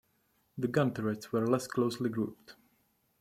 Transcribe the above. The gun turrets were less closely grouped.